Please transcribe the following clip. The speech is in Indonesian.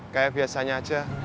kayak biasanya aja